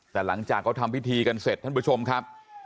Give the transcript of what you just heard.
แต่หลังจากเขาทำพิธีกันเสร็จท่านผู้ชมครับ